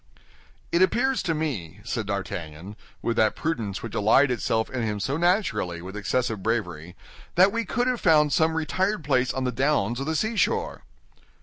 "It appears to me," said D'Artagnan, with that prudence which allied itself in him so naturally with excessive bravery, "that we could have found some retired place on the downs or the seashore."